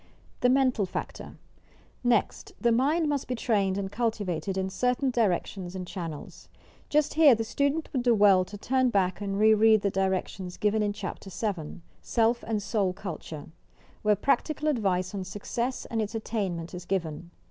THE MENTAL FACTOR Next, the mind must be trained and cultivated in certain directions and channels. Just here the student would do well to turn back and re read the directions given in Chapter VII, "Self and Soul Culture," where practical advice on success and its attainment is given.